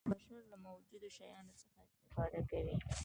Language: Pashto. بشر له موجودو شیانو څخه استفاده کوي.